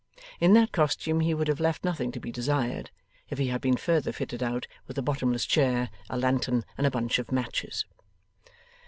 In that costume he would have left nothing to be desired, if he had been further fitted out with a bottomless chair, a lantern, and a bunch of matches.